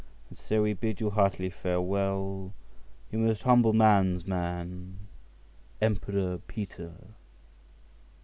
And so we bid you heartily farewell. Your most humble man's man, "EMPEROR PETER."